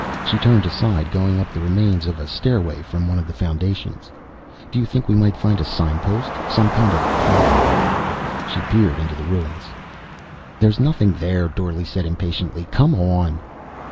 She turned aside, going up the remains of a stairway from one of the foundations. "Do you think we might find a signpost? Some kind of plaque?" She peered into the ruins. "There's nothing there," Dorle said impatiently. "Come on."